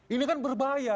ini kan berbahaya